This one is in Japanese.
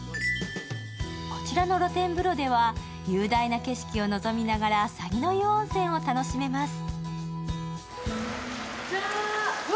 こちらの露天風呂では雄大な景色をのぞみながらさぎの湯温泉を楽しめます。